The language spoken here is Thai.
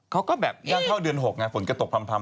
เขาก็แบบนี่นั่นเท่าเดือน๖ไงฝนก็ตกพร้ำ